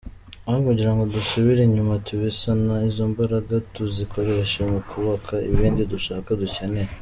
Aho kugira ngo dusubire inyuma tubisana izo mbaraga tuzikoreshe mu kubaka ibindi dushaka dukeneye.”